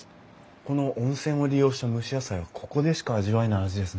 この温泉を利用した蒸し野菜はここでしか味わえない味ですね。